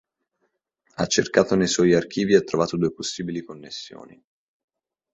Ha cercato nei suoi archivi e ha trovato due possibili connessioni.